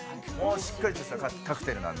しっかり作ったカクテルなんで。